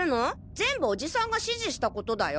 全部おじさんが指示したことだよ。